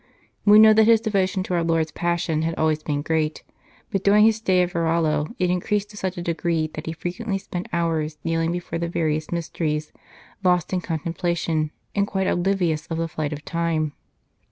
We know that his devotion to our Lord s Passion had always been great, but during his stay at Varallo it increased to such a degree that he frequently spent hours kneeling before the various mysteries, lost in contemplation, and quite ob livious of the flight of time.